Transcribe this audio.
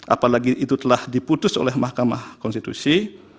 apalagi itu telah diputus oleh mahkamah konstitusi